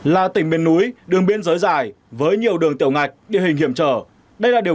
là tỉnh miền núi đường biên giới dài với nhiều đường tiểu ngạch địa hình hiểm trở đây là điều